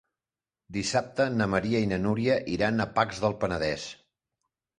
Dissabte na Maria i na Núria iran a Pacs del Penedès.